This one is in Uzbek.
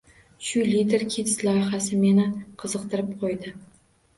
Shu Lider kids loyihasi meni qiziqtirib qoʻydi.